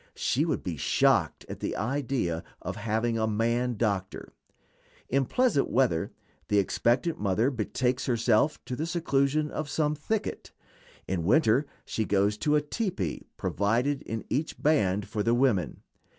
She would be shocked at the idea of having a man doctor. In pleasant weather the expectant mother betakes herself to the seclusion of some thicket; in winter she goes to a tepee provided in each band for the women.